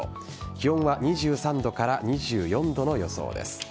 気温は２３度から２４度の予想です。